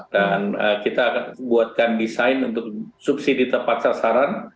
dan kita akan membuatkan desain untuk subsidi tepat sasaran